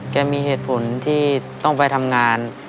มีเหตุผลที่ต้องไปทำงาน